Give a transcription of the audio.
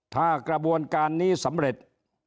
ถ้ากระบวนการนี้สำเร็จ